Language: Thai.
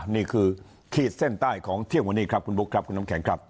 นี่คือขีดเส้นใต้ของเที่ยงวันนี้ครับคุณบุ๊คครับคุณน้ำแข็งครับ